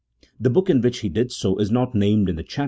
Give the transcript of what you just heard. The book in which he did so is not named in 1 See Note 10. CHAP.